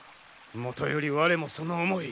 もとより我もその思い。